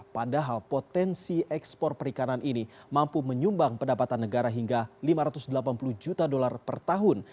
padahal potensi ekspor perikanan ini mampu menyumbang pendapatan negara hingga lima ratus delapan puluh juta dolar per tahun